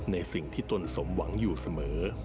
ในสิ่งที่ตนสมหวังอยู่เสมอ